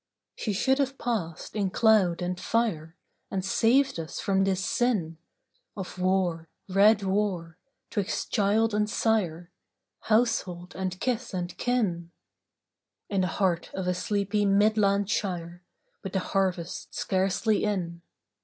She should have passed in cloud and fire And saved us from this sin Of war — red Avar — 'twixt child and sire, Household and kith and kin, In the heart of a sleepy Midland shire, With the harvest scarcely in.